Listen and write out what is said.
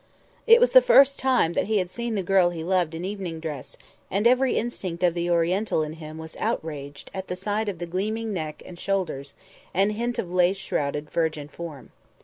It was the first time he had seen the girl he loved in evening dress, and every instinct of the Oriental in him was outraged at the sight of the gleaming neck and shoulders and hint of lace shrouded virgin form.